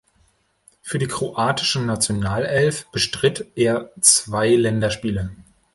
Für die kroatische Nationalelf bestritt er zwei Länderspiele.